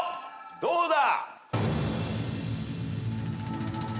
どうだ？